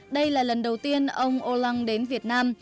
đây là lần đầu tiên ông olan đến việt nam